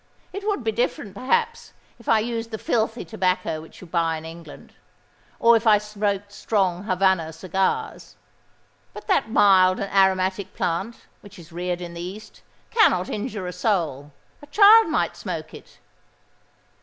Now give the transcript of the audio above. It would be different, perhaps, if I used the filthy tobacco which you buy in England—or if I smoked strong Havannah cigars. But that mild and aromatic plant, which is reared in the East, cannot injure a soul:—a child might smoke it."